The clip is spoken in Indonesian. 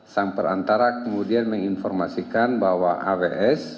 sang perantara kemudian menginformasikan bahwa avs